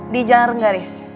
di jalan renggaris